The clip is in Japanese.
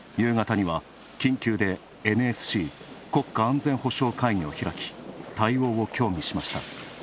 夕方には緊急でＮＳＣ＝国家安全保障会議を開き、対応を協議しました。